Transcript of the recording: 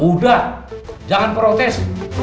udah jangan protes